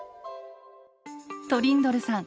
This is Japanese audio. トリンドルさん